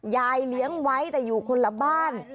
ยายเลี้ยงไว้แต่อยู่คนละบ้าน